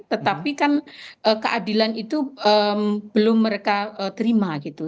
tetapi kan keadilan itu belum mereka terima gitu